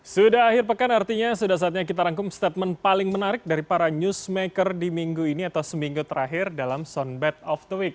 sudah akhir pekan artinya sudah saatnya kita rangkum statement paling menarik dari para newsmaker di minggu ini atau seminggu terakhir dalam soundbat of the week